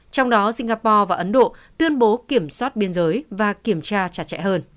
trong đó singapore và ấn độ tuyên bố kiểm soát biên giới và kiểm tra chặt chẽ hơn